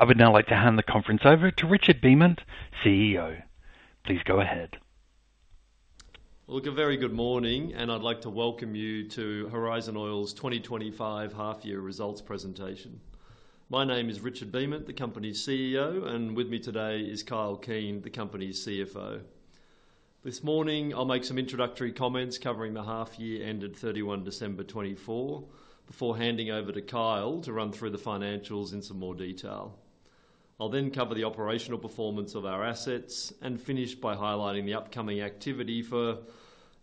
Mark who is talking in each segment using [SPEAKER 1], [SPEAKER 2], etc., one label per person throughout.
[SPEAKER 1] I would now like to hand the conference over to Richard Beament, CEO. Please go ahead.
[SPEAKER 2] A very good morning, and I'd like to welcome you to Horizon Oil's 2025 half-year results presentation. My name is Richard Beament, the company's CEO, and with me today is Kyle Keen, the company's CFO. This morning, I'll make some introductory comments covering the half-year ended 31 December 2024, before handing over to Kyle to run through the financials in some more detail. I'll then cover the operational performance of our assets and finish by highlighting the upcoming activity for,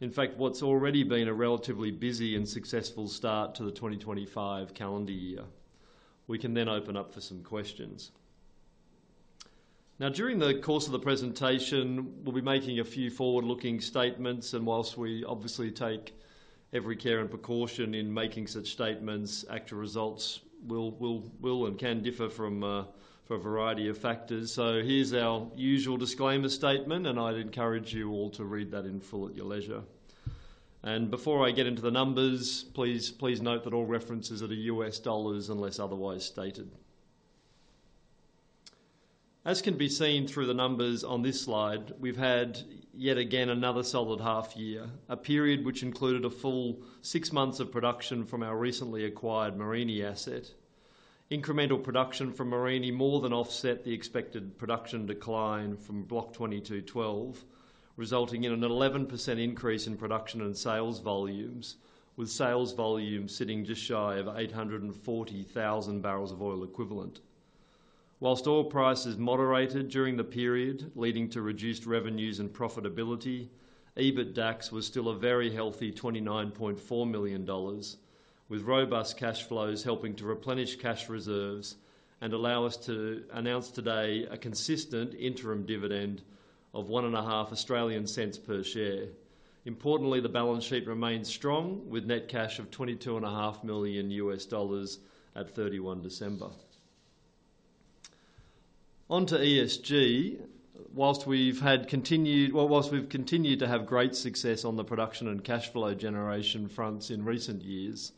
[SPEAKER 2] in fact, what's already been a relatively busy and successful start to the 2025 calendar year. We can then open up for some questions. Now, during the course of the presentation, we'll be making a few forward-looking statements, and whilst we obviously take every care and precaution in making such statements, actual results will and can differ from a variety of factors. Here's our usual disclaimer statement, and I'd encourage you all to read that in full at your leisure. Before I get into the numbers, please note that all references are to U.S. dollars unless otherwise stated. As can be seen through the numbers on this slide, we've had, yet again, another solid half-year, a period which included a full six months of production from our recently acquired Mereenie asset. Incremental production from Mereenie more than offset the expected production decline from Block 22/12, resulting in an 11% increase in production and sales volumes, with sales volumes sitting just shy of 840,000 barrels of oil equivalent. Whilst oil prices moderated during the period, leading to reduced revenues and profitability, EBITDA was still a very healthy $29.4 million, with robust cash flows helping to replenish cash reserves and allow us to announce today a consistent interim dividend of 0.015 per share. Importantly, the balance sheet remains strong, with net cash of $22.5 million at 31 December. On to ESG. Whilst we've continued to have great success on the production and cash flow generation fronts in recent years,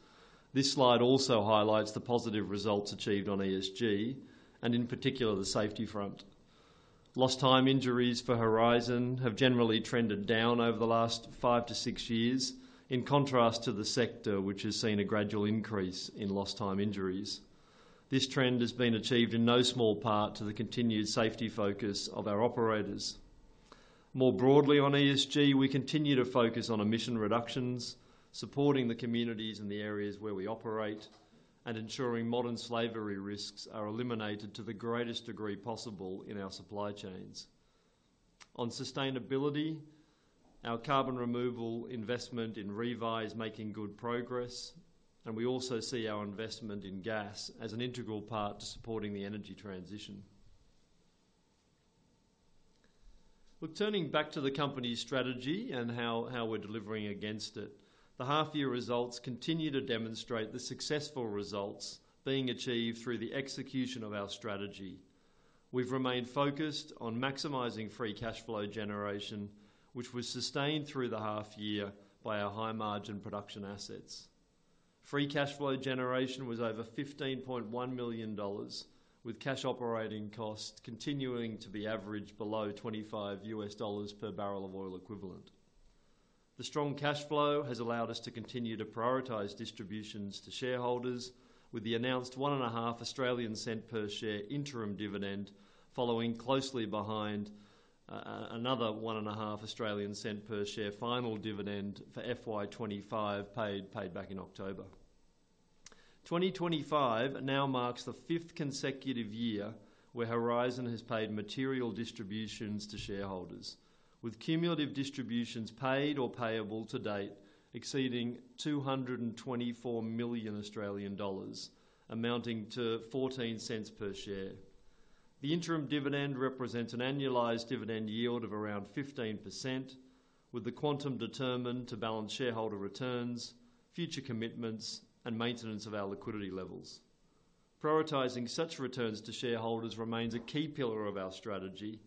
[SPEAKER 2] this slide also highlights the positive results achieved on ESG, and in particular, the safety front. Lost time injuries for Horizon Oil have generally trended down over the last five to six years, in contrast to the sector, which has seen a gradual increase in lost time injuries. This trend has been achieved in no small part to the continued safety focus of our operators. More broadly, on ESG, we continue to focus on emission reductions, supporting the communities in the areas where we operate, and ensuring modern slavery risks are eliminated to the greatest degree possible in our supply chains. On sustainability, our carbon removal investment in ReVi is making good progress, and we also see our investment in gas as an integral part to supporting the energy transition. Look, turning back to the company's strategy and how we're delivering against it, the half-year results continue to demonstrate the successful results being achieved through the execution of our strategy. We've remained focused on maximizing free cash flow generation, which was sustained through the half-year by our high-margin production assets. Free cash flow generation was over $15.1 million, with cash operating costs continuing to be averaged below $25 per barrel of oil equivalent. The strong cash flow has allowed us to continue to prioritize distributions to shareholders, with the announced 0.015 per share interim dividend following closely behind another 0.015 per share final dividend for fiscal year 2025 paid back in October. 2025 now marks the fifth consecutive year where Horizon Oil has paid material distributions to shareholders, with cumulative distributions paid or payable to date exceeding $224 million, amounting to 0.14 per share. The interim dividend represents an annualized dividend yield of around 15%, with the quantum determined to balance shareholder returns, future commitments, and maintenance of our liquidity levels. Prioritizing such returns to shareholders remains a key pillar of our strategy,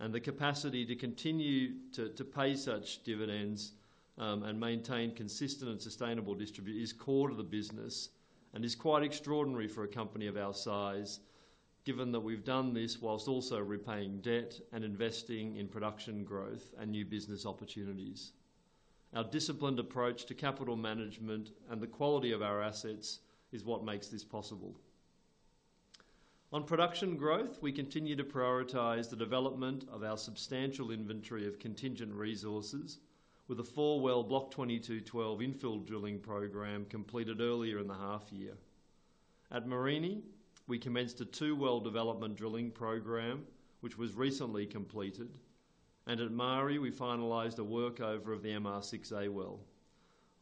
[SPEAKER 2] and the capacity to continue to pay such dividends and maintain consistent and sustainable distribution is core to the business and is quite extraordinary for a company of our size, given that we've done this whilst also repaying debt and investing in production growth and new business opportunities. Our disciplined approach to capital management and the quality of our assets is what makes this possible. On production growth, we continue to prioritize the development of our substantial inventory of contingent resources, with a four-well Block 22/12 infill drilling program completed earlier in the half-year. At Mereenie, we commenced a two-well development drilling program, which was recently completed, and at Maari, we finalized a workover of the MR6A well.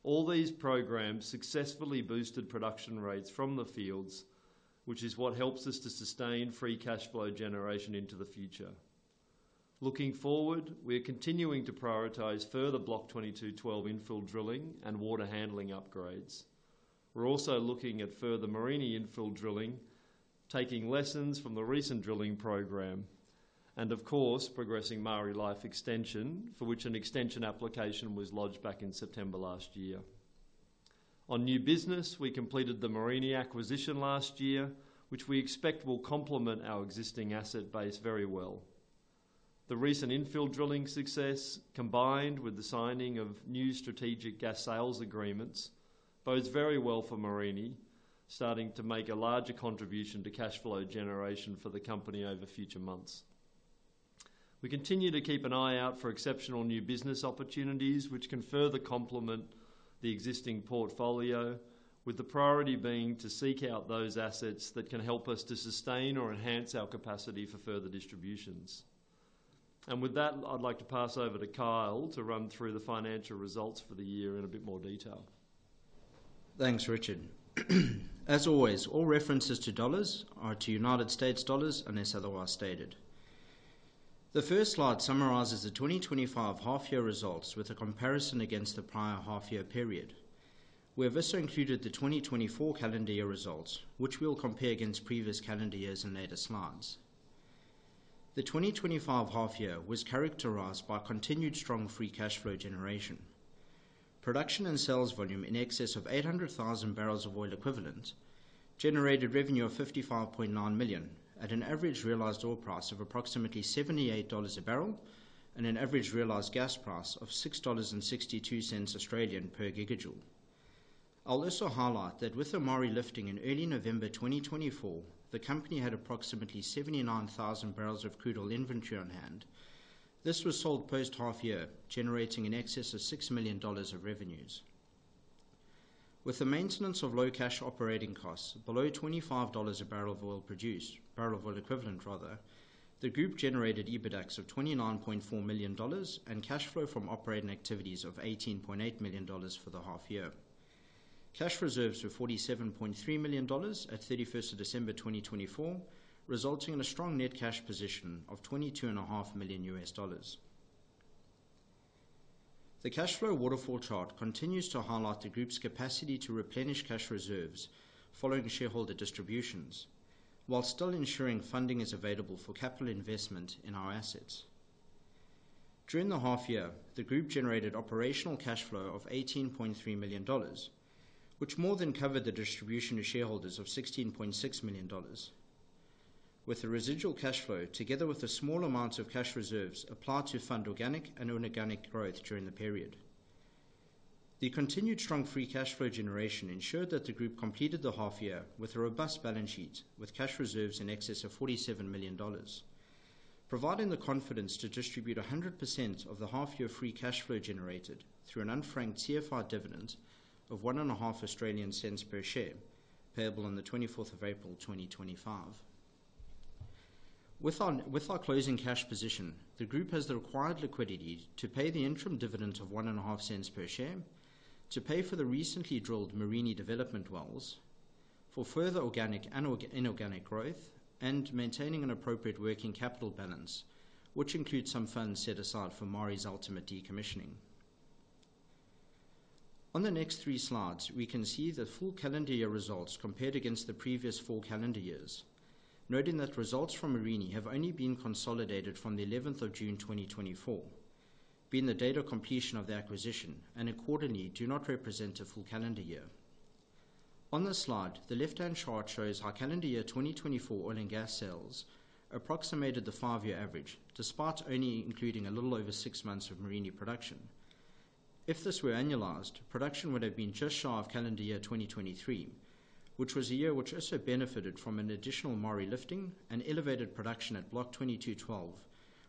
[SPEAKER 2] All these programs successfully boosted production rates from the fields, which is what helps us to sustain free cash flow generation into the future. Looking forward, we are continuing to prioritize further Block 22/12 infill drilling and water handling upgrades. We're also looking at further Mereenie infill drilling, taking lessons from the recent drilling program, and of course, progressing Maari Life Extension, for which an extension application was lodged back in September last year. On new business, we completed the Mereenie acquisition last year, which we expect will complement our existing asset base very well. The recent infill drilling success, combined with the signing of new strategic gas sales agreements, bodes very well for Mereenie, starting to make a larger contribution to cash flow generation for the company over future months. We continue to keep an eye out for exceptional new business opportunities, which can further complement the existing portfolio, with the priority being to seek out those assets that can help us to sustain or enhance our capacity for further distributions. With that, I'd like to pass over to Kyle to run through the financial results for the year in a bit more detail.
[SPEAKER 3] Thanks, Richard. As always, all references to dollars are to United States dollars unless otherwise stated. The first slide summarizes the 2025 half-year results with a comparison against the prior half-year period, where this included the 2024 calendar year results, which we'll compare against previous calendar years in later slides. The 2025 half-year was characterized by continued strong free cash flow generation. Production and sales volume in excess of 800,000 barrels of oil equivalent generated revenue of $55.9 million at an average realized oil price of approximately $78 a barrel and an average realized gas price of 6.62 Australian dollars per gigajoule. I'll also highlight that with Maari lifting in early November 2024, the company had approximately 79,000 barrels of crude oil inventory on hand. This was sold post-half-year, generating in excess of $6 million of revenues. With the maintenance of low cash operating costs below $25 a barrel of oil produced, barrel of oil equivalent, rather, the group generated EBITDA of $29.4 million and cash flow from operating activities of $18.3 million for the half-year. Cash reserves were $47.3 million at 31 December 2024, resulting in a strong net cash position of $22.5 million. The cash flow waterfall chart continues to highlight the group's capacity to replenish cash reserves following shareholder distributions, while still ensuring funding is available for capital investment in our assets. During the half-year, the group generated operational cash flow of $18.3 million, which more than covered the distribution to shareholders of $16.6 million, with the residual cash flow together with the small amounts of cash reserves applied to fund organic and inorganic growth during the period. The continued strong free cash flow generation ensured that the group completed the half-year with a robust balance sheet with cash reserves in excess of $47 million, providing the confidence to distribute 100% of the half-year free cash flow generated through an unfranked CFI dividend of 0.015 per share, payable on the 24th of April 2025. With our closing cash position, the group has the required liquidity to pay the interim dividend of 0.015 per share, to pay for the recently drilled Mereenie development wells, for further organic and inorganic growth, and maintaining an appropriate working capital balance, which includes some funds set aside for Maari's ultimate decommissioning. On the next three slides, we can see the full calendar year results compared against the previous four calendar years, noting that results from Mereenie have only been consolidated from the 11th of June 2024, being the date of completion of the acquisition, and accordingly do not represent a full calendar year. On the slide, the left-hand chart shows how calendar year 2024 oil and gas sales approximated the five-year average, despite only including a little over six months of Mereenie production. If this were annualized, production would have been just shy of calendar year 2023, which was a year which also benefited from an additional Maari lifting and elevated production at Block 22/12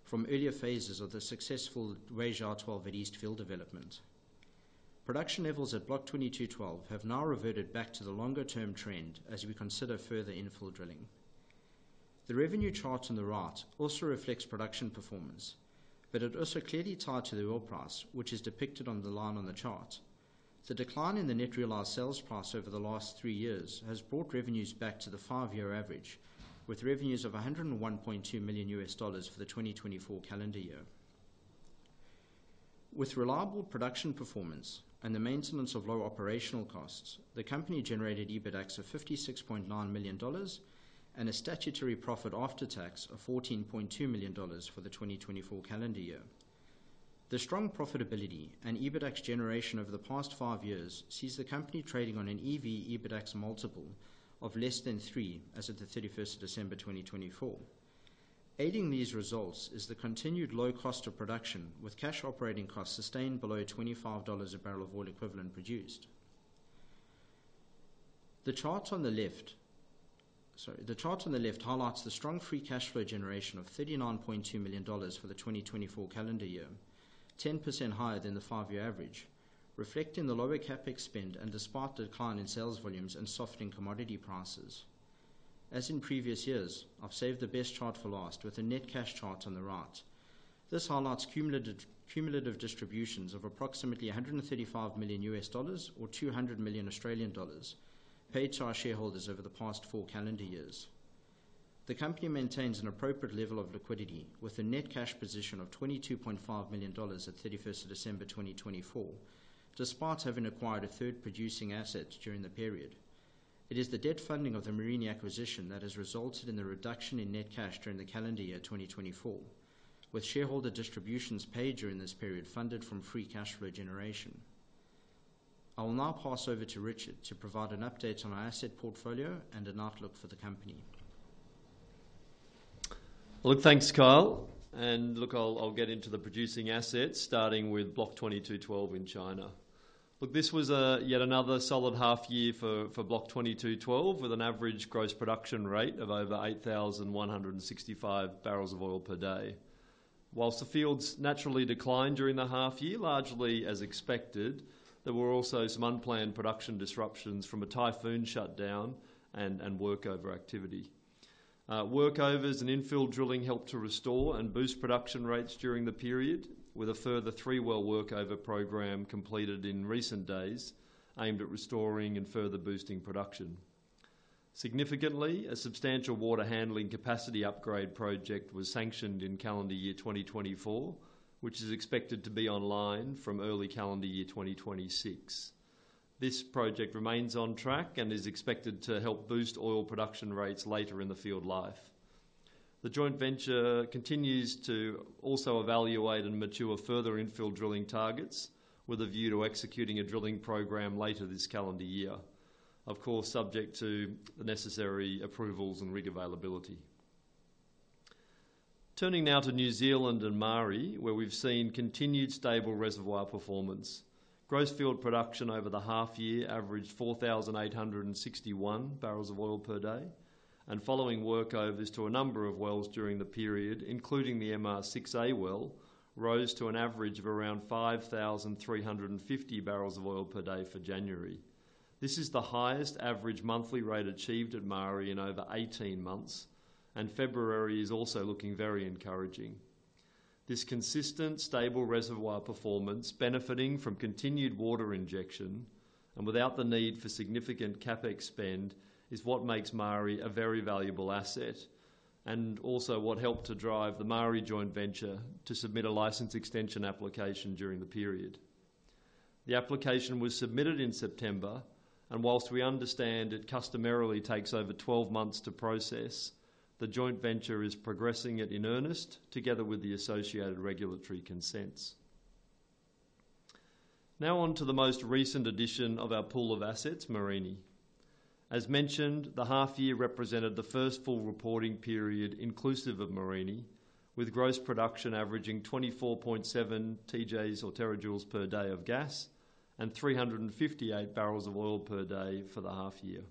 [SPEAKER 3] from earlier phases of the successful Weizhou 12 at Eastfield development. Production levels at Block 22/12 have now reverted back to the longer-term trend as we consider further infill drilling. The revenue chart on the right also reflects production performance, but it also clearly tied to the oil price, which is depicted on the line on the chart. The decline in the net realized sales price over the last three years has brought revenues back to the five-year average, with revenues of $101.2 million U.S. dollars for the 2024 calendar year. With reliable production performance and the maintenance of low operational costs, the company generated EBITDA of $56.9 million and a statutory profit after tax of $14.2 million for the 2024 calendar year. The strong profitability and EBITDA generation over the past five years sees the company trading on an EV/EBITDA multiple of less than three as of the 31st of December 2024. Aiding these results is the continued low cost of production, with cash operating costs sustained below $25 a barrel of oil equivalent produced. The chart on the left highlights the strong free cash flow generation of $39.2 million for the 2024 calendar year, 10% higher than the five-year average, reflecting the lower CapEx spend and despite the decline in sales volumes and softening commodity prices. As in previous years, I've saved the best chart for last with a net cash chart on the right. This highlights cumulative distributions of approximately $135 million U.S. dollars or 200 million Australian dollars paid to our shareholders over the past four calendar years. The company maintains an appropriate level of liquidity, with a net cash position of $22.5 million at 31st of December 2024, despite having acquired a third-producing asset during the period. It is the debt funding of the Mereenie acquisition that has resulted in the reduction in net cash during the calendar year 2024, with shareholder distributions paid during this period funded from free cash flow generation. I will now pass over to Richard to provide an update on our asset portfolio and an outlook for the company.
[SPEAKER 2] Look, thanks, Kyle. Look, I'll get into the producing assets, starting with Block 22/12 in China. Look, this was yet another solid half-year for Block 22/12, with an average gross production rate of over 8,165 barrels of oil per day. Whilst the fields naturally declined during the half-year, largely as expected, there were also some unplanned production disruptions from a typhoon shutdown and workover activity. Workovers and infill drilling helped to restore and boost production rates during the period, with a further three-well workover program completed in recent days aimed at restoring and further boosting production. Significantly, a substantial water handling capacity upgrade project was sanctioned in calendar year 2024, which is expected to be online from early calendar year 2026. This project remains on track and is expected to help boost oil production rates later in the field life. The joint venture continues to also evaluate and mature further infill drilling targets, with a view to executing a drilling program later this calendar year, of course, subject to the necessary approvals and rig availability. Turning now to New Zealand and Maari, where we've seen continued stable reservoir performance. Gross field production over the half-year averaged 4,861 barrels of oil per day, and following workovers to a number of wells during the period, including the MR6A well, rose to an average of around 5,350 barrels of oil per day for January. This is the highest average monthly rate achieved at Maari in over 18 months, and February is also looking very encouraging. This consistent, stable reservoir performance, benefiting from continued water injection and without the need for significant CapEx spend, is what makes Maari a very valuable asset and also what helped to drive the Maari joint venture to submit a license extension application during the period. The application was submitted in September, and whilst we understand it customarily takes over 12 months to process, the joint venture is progressing it in earnest together with the associated regulatory consents. Now on to the most recent addition of our pool of assets, Mereenie. As mentioned, the half-year represented the first full reporting period inclusive of Mereenie, with gross production averaging 24.7 TJ or terajoules per day of gas and 358 barrels of oil per day for the half-year.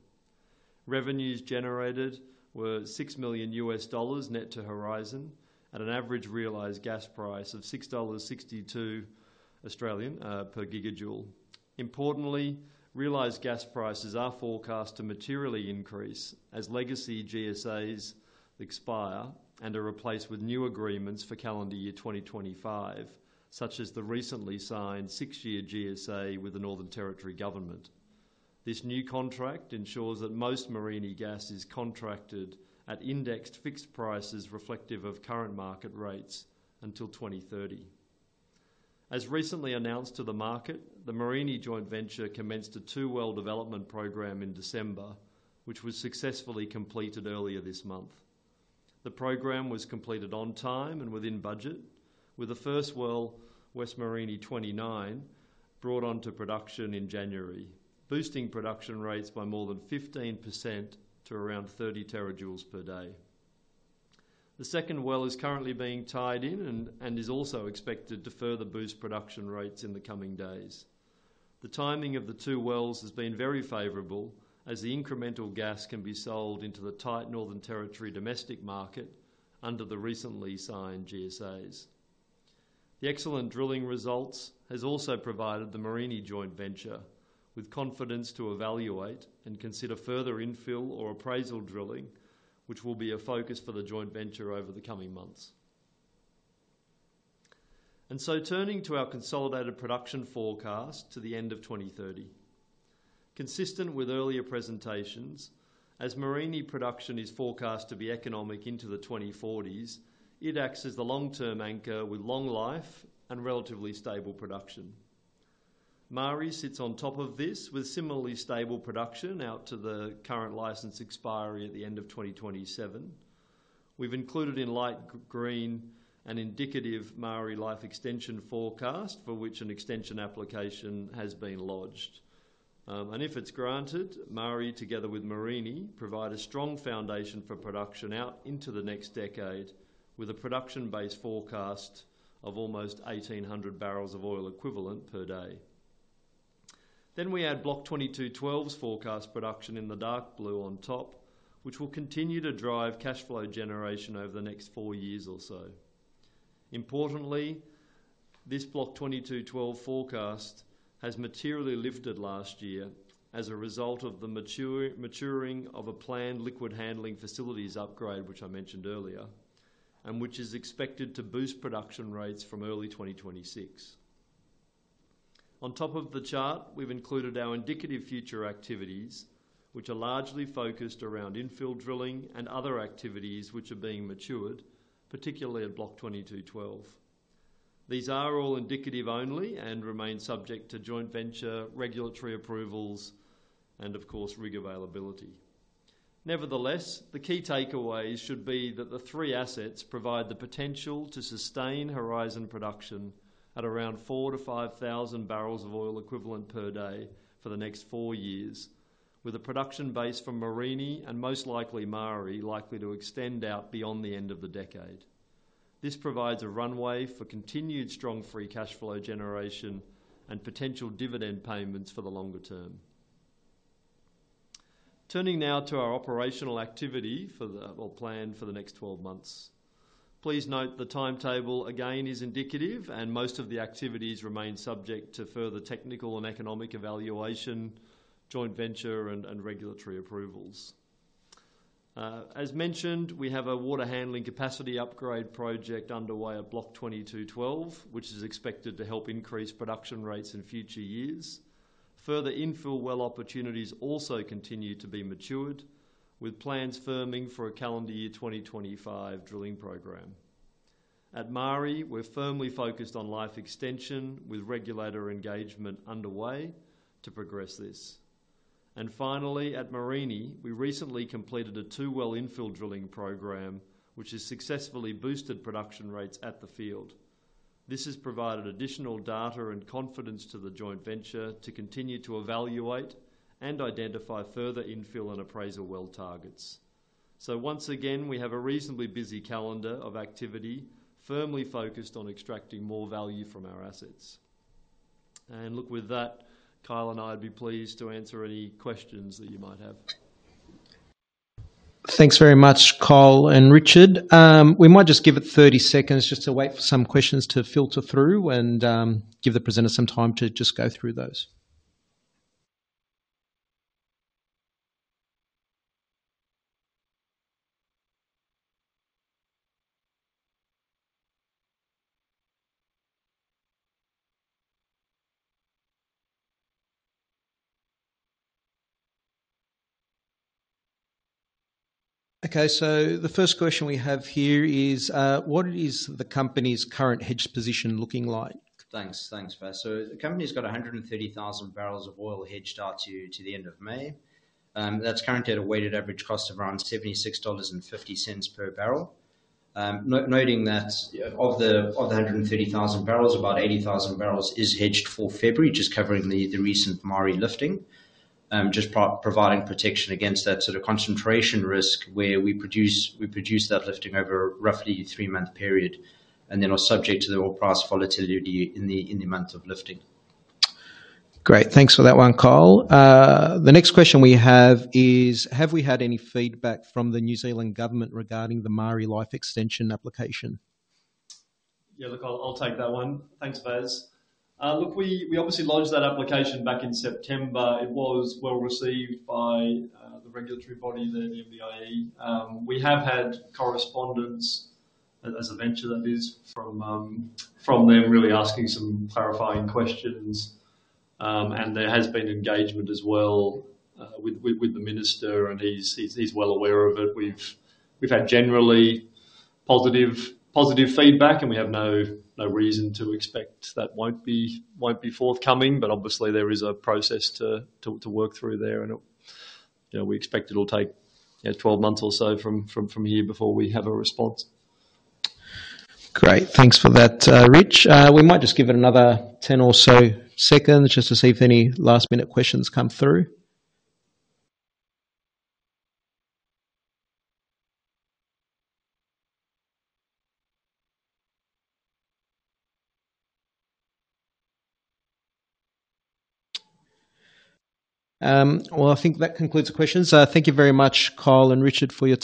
[SPEAKER 2] Revenues generated were $6 million net to Horizon Oil at an average realized gas price of 6.62 Australian dollars per gigajoule. Importantly, realized gas prices are forecast to materially increase as legacy GSAs expire and are replaced with new agreements for calendar year 2025, such as the recently signed six-year GSA with the Northern Territory Government. This new contract ensures that most Mereenie gas is contracted at indexed fixed prices reflective of current market rates until 2030. As recently announced to the market, the Mereenie joint venture commenced a two-well development program in December, which was successfully completed earlier this month. The program was completed on time and within budget, with the first well, West Mereenie 29, brought onto production in January, boosting production rates by more than 15% to around 30 terajoules per day. The second well is currently being tied in and is also expected to further boost production rates in the coming days. The timing of the two wells has been very favorable as the incremental gas can be sold into the tight Northern Territory domestic market under the recently signed GSAs. The excellent drilling results have also provided the Mereenie Joint Venture with confidence to evaluate and consider further infill or appraisal drilling, which will be a focus for the joint venture over the coming months. Turning to our consolidated production forecast to the end of 2030. Consistent with earlier presentations, as Mereenie production is forecast to be economic into the 2040s, it acts as the long-term anchor with long life and relatively stable production. Maari sits on top of this with similarly stable production out to the current license expiry at the end of 2027. We have included in light green an indicative Maari life extension forecast for which an extension application has been lodged. If it is granted, Maari, together with Mereenie, provide a strong foundation for production out into the next decade with a production-based forecast of almost 1,800 barrels of oil equivalent per day. We add Block 22/12's forecast production in the dark blue on top, which will continue to drive cash flow generation over the next four years or so. Importantly, this Block 22/12 forecast has materially lifted last year as a result of the maturing of a planned liquid handling facilities upgrade, which I mentioned earlier, and which is expected to boost production rates from early 2026. On top of the chart, we've included our indicative future activities, which are largely focused around infill drilling and other activities which are being matured, particularly at Block 22/12. These are all indicative only and remain subject to joint venture, regulatory approvals, and of course, rig availability. Nevertheless, the key takeaways should be that the three assets provide the potential to sustain Horizon Oil production at around 4,000-5,000 barrels of oil equivalent per day for the next four years, with a production base from Mereenie and most likely Maari likely to extend out beyond the end of the decade. This provides a runway for continued strong free cash flow generation and potential dividend payments for the longer term. Turning now to our operational activity planned for the next 12 months. Please note the timetable again is indicative, and most of the activities remain subject to further technical and economic evaluation, joint venture, and regulatory approvals. As mentioned, we have a water handling capacity upgrade project underway at Block 22/12, which is expected to help increase production rates in future years. Further infill well opportunities also continue to be matured, with plans firming for a calendar year 2025 drilling program. At Maari, we're firmly focused on life extension with regulator engagement underway to progress this. Finally, at Mereenie, we recently completed a two-well infill drilling program, which has successfully boosted production rates at the field. This has provided additional data and confidence to the joint venture to continue to evaluate and identify further infill and appraisal well targets. We have a reasonably busy calendar of activity firmly focused on extracting more value from our assets. With that, Kyle and I would be pleased to answer any questions that you might have. Thanks very much, Carl and Richard. We might just give it 30 seconds just to wait for some questions to filter through and give the presenters some time to just go through those. Okay, the first question we have here is, what is the company's current hedge position looking like?
[SPEAKER 3] Thanks, thanks, Beth. The company's got 130,000 barrels of oil hedged out to the end of May. That's currently at a weighted average cost of around $76.50 per barrel. Noting that of the 130,000 barrels, about 80,000 barrels is hedged for February, just covering the recent Maari lifting, just providing protection against that sort of concentration risk where we produce that lifting over a roughly three-month period and then are subject to the oil price volatility in the month of lifting. Great, thanks for that one, Carl. The next question we have is, have we had any feedback from the New Zealand government regarding the Maari life extension application?
[SPEAKER 2] Yeah, look, I'll take that one. Thanks, Beth. Look, we obviously launched that application back in September. It was well received by the regulatory body, the MBIE. We have had correspondence, as a venture that is, from them really asking some clarifying questions, and there has been engagement as well with the minister, and he's well aware of it. We've had generally positive feedback, and we have no reason to expect that won't be forthcoming, but obviously there is a process to work through there, and we expect it'll take 12 months or so from here before we have a response. Great, thanks for that, Rich. We might just give it another 10 or so seconds just to see if any last-minute questions come through. I think that concludes the questions. Thank you very much, Carl and Richard, for your time.